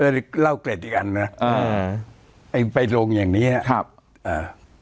เล่าเกร็ดอีกอันนะอ่าไอ้ไปลงอย่างเนี้ยครับอ่า